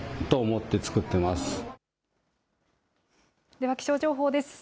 では気象情報です。